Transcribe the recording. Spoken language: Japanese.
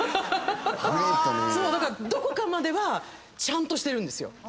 だからどこかまではちゃんとしてるんですよ。